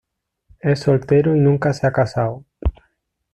Es soltero y nunca se ha casado.